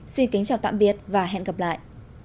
xin kính chào tạm biệt và hẹn gặp lại